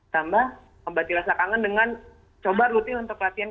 tambah membati rasa kangen dengan coba rutin untuk latihan